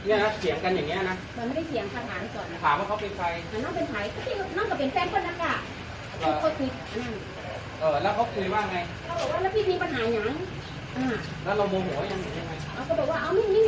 อันนี้ค่ะไม่เมื่อ๋ช่างเจอเป็นดอกไปแล้วกัน